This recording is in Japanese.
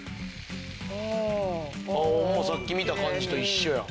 さっき見た感じと一緒や。